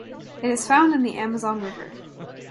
It is found in the Amazon River.